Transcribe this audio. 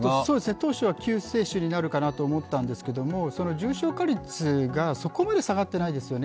当初は救世主になるかなと思っていたんですが重症化率がそこまで下がっていないですよね。